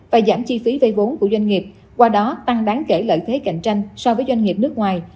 và giảm chi phí vay vốn của doanh nghiệp qua đó tăng đáng kể lợi thế cạnh tranh so với doanh nghiệp nước ngoài